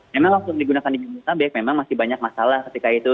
memang waktu digunakan di jogja solo memang masih banyak masalah ketika itu